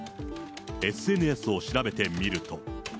ＳＮＳを調べてみると。